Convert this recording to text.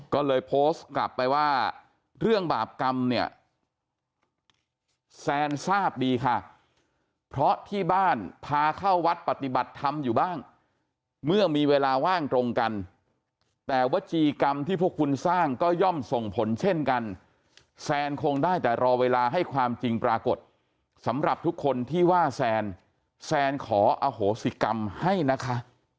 ก็เลยโพสต์กลับไปว่าเรื่องบาปกรรมเนี่ยแซนทราบดีค่ะเพราะที่บ้านพาเข้าวัดปฏิบัติธรรมอยู่บ้างเมื่อมีเวลาว่างตรงกันแต่วจีกรรมที่พวกคุณสร้างก็ย่อมส่งผลเช่นกันแซนคงได้แต่รอเวลาให้ความจริงปรากฏสำหรับทุกคนที่ว่าแซนขออโหสิกรรมให้นะคะ